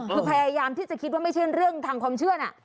คือพยายามที่จะคิดว่าไม่ใช่เรื่องทางความเชื่อนะ